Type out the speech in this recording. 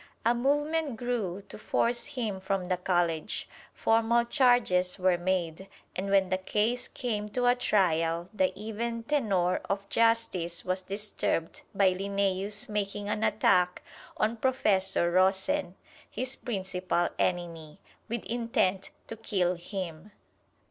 A movement grew to force him from the college. Formal charges were made, and when the case came to a trial the even tenor of justice was disturbed by Linnæus making an attack on Professor Rosen, his principal enemy, with intent to kill him.